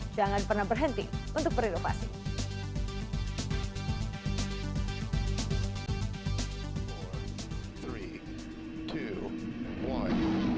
jangan pernah berhenti untuk berinovasi